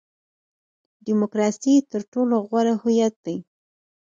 ډیموکراسي تر ټولو غوره هویت دی.